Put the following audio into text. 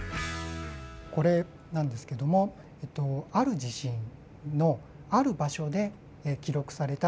これなんですけどもある地震のある場所で記録された地震波のグラフです。